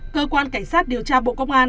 cơ quan cảnh sát điều tra bộ công an